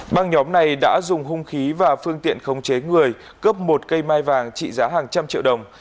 băng nhóm này đã dùng hung khí và phương tiện khống chế người cướp một cây mai vàng trị giá hàng trăm triệu đồng